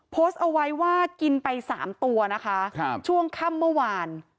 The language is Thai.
โพสต์เอาไว้ว่ากินไป๓ตัวนะคะช่วงค่ำเมื่อวาน